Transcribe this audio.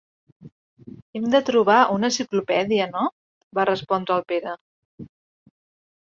Hem de trobar una enciclopèdia, no? —va respondre el Pere.